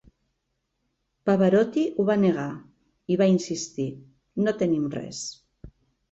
Pavarotti ho va negar, i va insistir: No tenim res.